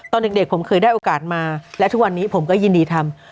ตอนเด็กผมเคยได้โอกาสมาและทุกวันนี้ผมก็ยินดีทำ